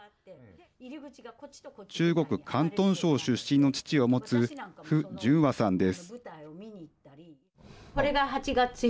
中国、広東省出身の父を持つ符順和さんです。